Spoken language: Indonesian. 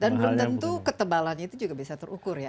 dan belum tentu ketebalannya itu juga bisa terukur ya